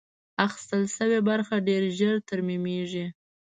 اخیستل شوې برخه ډېر ژر ترمیمېږي.